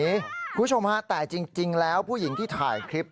คุณผู้ชมฮะแต่จริงแล้วผู้หญิงที่ถ่ายคลิป